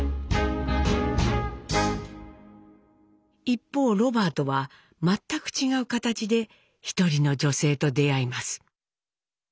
一方ロバートは全く違う形で一人の女性と出会います。